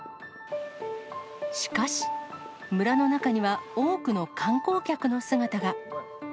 しかし、村の中には、多くの観光客の姿が。